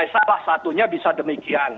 salah satunya bisa demikian